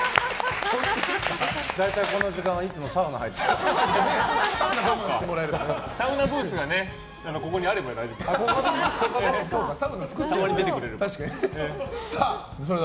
大体この時間はいつもサウナ入っているので。